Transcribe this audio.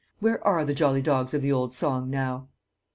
Where are the jolly dogs of the old song now?"